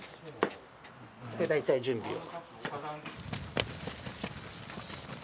で大体準備を。